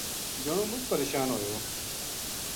جنو مچ پریشان ہویو